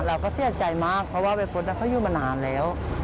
เราก็เสียใจมากเพราะว่าวัยพฤษเขาอยู่มานานแล้ว